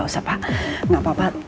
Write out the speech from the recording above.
siap pak bos